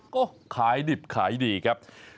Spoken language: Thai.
ก็ขายดิบขายดีครับ